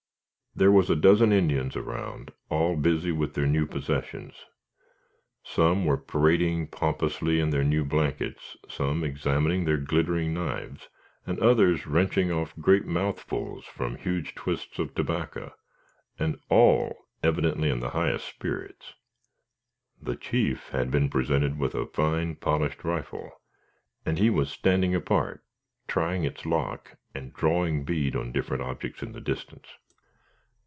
There was a dozen Indians around, all busy with their new possessions. Some were parading pompously in their new blankets, some examining their glitterng knives, and others wrenching off great mouthfuls from huge twists of tobacco, and all evidently in the highest spirits. The chief had been presented with a fine, polished rifle, and he was standing apart, trying its lock, and "drawing bead" on different objects in the distance.